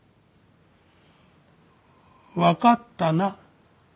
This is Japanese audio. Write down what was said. わかったな？